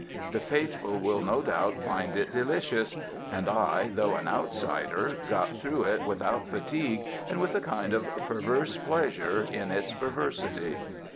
The faithful will no doubt find it delicious; and I, though an outsider, got through it without fatigue and with a kind of perverse pleasure in its perversity.